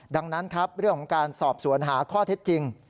ดังนั้นครับเรื่องของการสอบสวนหาข้อเท็จจริง